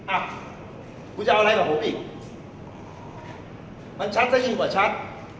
อ่ะกูจะเอาอะไรกับผมอีกมันชัดซะยิ่งกว่าชัด